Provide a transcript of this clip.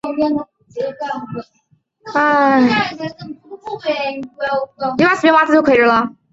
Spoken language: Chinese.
丁香色凤仙花为凤仙花科凤仙花属的植物。